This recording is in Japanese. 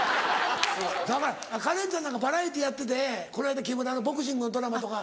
だからカレンちゃんなんかバラエティーやっててこの間木村のボクシングのドラマとか。